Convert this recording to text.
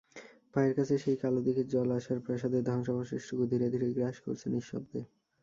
পায়ের কাছে সেই কালো দিঘির জল আশার প্রাসাদের ধ্বংসাবশেষটুকু ধীরে ধীরে গ্রাস করছে নিঃশব্দে!